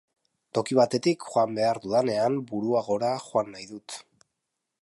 Toki batetik joan behar dudanean, burua gora joan nahi dut.